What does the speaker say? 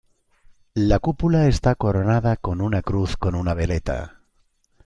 La cúpula está coronada con una cruz con una veleta.